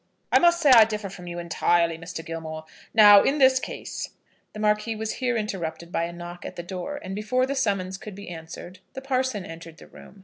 "I must say I differ from you entirely, Mr. Gilmore. Now, in this case " The Marquis was here interrupted by a knock at the door, and, before the summons could be answered, the parson entered the room.